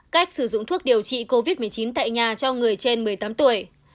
cách sử dụng thuốc điều trị covid một mươi chín tại nhà cho người trên một mươi tám tuổi